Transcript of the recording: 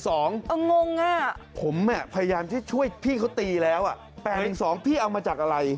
กล้องเหอะผมพยายามจะช่วยพี่เขาตีแล้วอะ๘หนึ่ง๒พี่เอามาจากอะไร